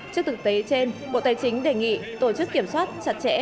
trước thực tế trên bộ tài chính đề nghị tổ chức kiểm soát chặt chẽ